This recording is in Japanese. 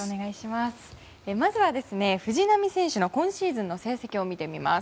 まずは藤浪選手の今シーズンの成績を見てみます。